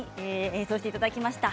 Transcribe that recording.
演奏していただきました。